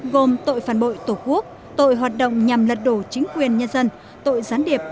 gồm tội phản bội tổ quốc tội hoạt động nhằm lật đổ chính quyền nhân dân tội gián điệp